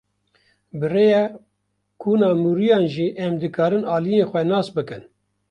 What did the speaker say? Bi rêya kuna mûriyan jî em dikarin aliyên xwe nas bikin.